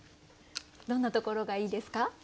どんなところがいいですか？